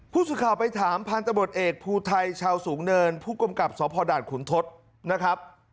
ผู้สุดข่าวไปถามพาลตำรวจเอกภูไทยชาวสูงเนินผู้กรมกับสภขุนทศนะครับ